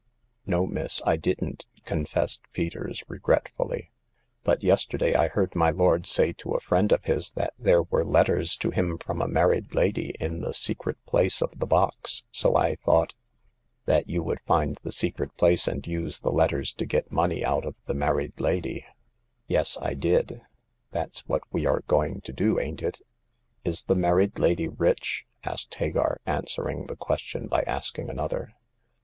'*No, miss, I didn't," confessed Peters, re 54^ Hagar of the Pawn Shop. gretfuUy ;" but yesterday I heard my lord say to a friend of his that there were letters to him from a married lady in the secret place of the box, so I thought "That you would find the secret place, and use the letters to get money out of the married lady/' Yes, I did. That's what we are going to do, ain't it ?" "Is the married lady rich?'* asked Hagar, answering the question by asking another.